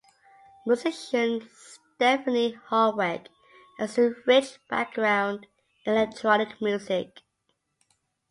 Musician Stephane Holweck has a rich background in electronic music.